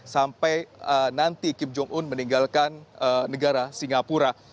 sampai nanti kim jong un meninggalkan negara singapura